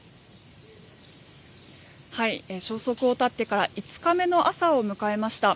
消息を絶ってから５日目の朝を迎えました。